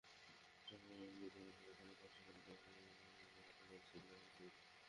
ট্রাম্পের নীতি মার্কিন অর্থনীতিকে ধ্বংস করে দেবে এমন কথাও বলেছিলেন হেলু।